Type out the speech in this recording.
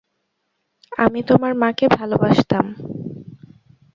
আমি তোমার মাকে ভালোবাসতাম।